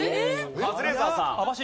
カズレーザーさん。